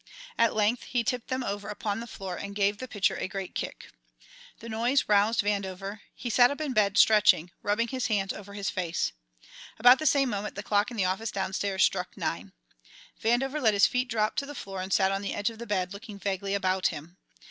At length he tipped them over upon the floor and gave the pitcher a great kick. The noise roused Vandover; he sat up in bed, stretching, rubbing his hands over his face. About the same moment the clock in the office downstairs struck nine. Vandover let his feet drop to the floor and sat on the edge of the bed, looking vaguely about him.